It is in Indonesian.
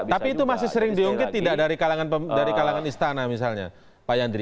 tapi itu masih sering diungkit tidak dari kalangan istana misalnya pak yandri